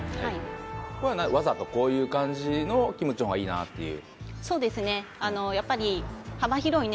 これは何わざとこういう感じのキムチのほうがいいなっていう？